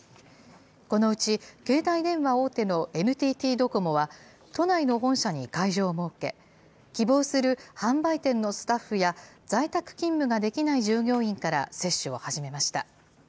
このうち、携帯電話大手のＮＴＴドコモは、都内の本社に会場を設け、希望する販売店のスタッフや、在宅勤務ができない従業員から接種を始めました。